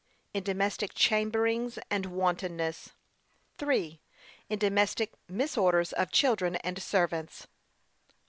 In domestic chamberings and wantonness. (3.) In domestic misorders of children and servants.